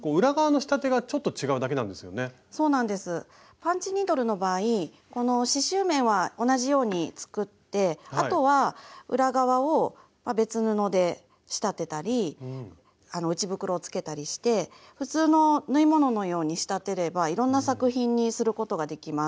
パンチニードルの場合この刺しゅう面は同じように作ってあとは裏側を別布で仕立てたり内袋をつけたりして普通の縫い物のように仕立てればいろんな作品にすることができます。